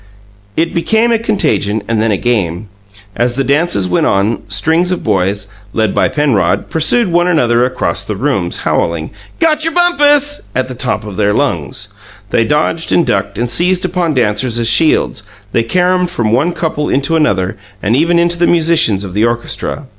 It became a contagion and then a game. As the dances went on, strings of boys, led by Penrod, pursued one another across the rooms, howling, "Gotcher bumpus!" at the top of their lungs. They dodged and ducked, and seized upon dancers as shields; they caromed from one couple into another, and even into the musicians of the orchestra.